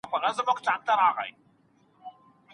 هغه به مړ ږدن ډنډ ته نږدې وګڼي.